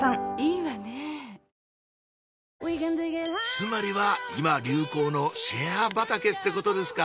つまりは今流行のシェア畑ってことですか！